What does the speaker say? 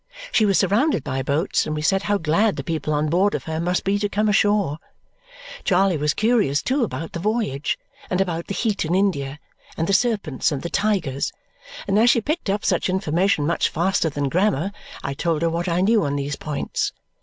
She was surrounded by boats, and we said how glad the people on board of her must be to come ashore. Charley was curious, too, about the voyage, and about the heat in India, and the serpents and the tigers; and as she picked up such information much faster than grammar, I told her what I knew on those points.